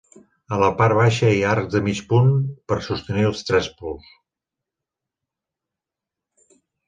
A la part baixa hi ha arcs de mig punt per sostenir els trespols.